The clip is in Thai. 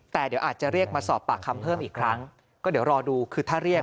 แต่เดี๋ยวอาจจะเรียกมาสอบปากคำเพิ่มอีกครั้งก็เดี๋ยวรอดูคือถ้าเรียก